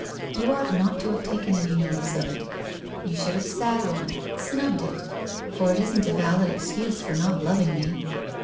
You ought not to have taken any notice of it. You should have sat on it — snubbed it, for it isn't a valid excuse for not loving me.